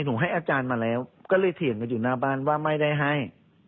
ผมให้อาจารย์มาแล้วก็เลยเถียงกันอยู่หน้าบ้านว่าไม่ได้ให้